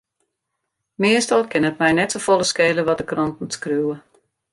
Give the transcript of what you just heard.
Meastal kin it my net safolle skele wat de kranten skriuwe.